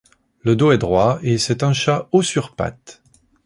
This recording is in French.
Le dos est droit et c'est un chat haut sur pattes.